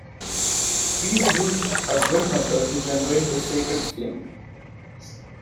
Priests used a drill method to generate this sacred flame.